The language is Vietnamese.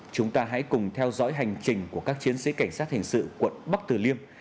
chúng ta hãy cùng theo dõi hành trình của các chiến sĩ cảnh sát hình sự quận bắc tử liêm